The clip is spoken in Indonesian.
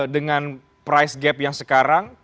dengan price gap yang sekarang